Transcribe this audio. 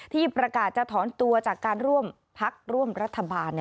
ที่ประกาศจะถอนตัวจากการร่วมพักร่วมรัฐบาล